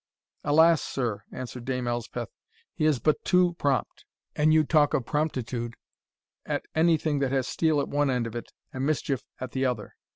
"Alas! sir," answered Dame Elspeth, "he is but too prompt, an you talk of promptitude, at any thing that has steel at one end of it, and mischief at the other.